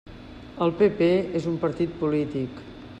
El PP és un partit polític.